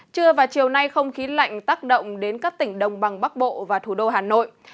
trưa và chiều nay không khí lạnh tác động đến các tỉnh đồng bằng bắc bộ và thủ đô hà nội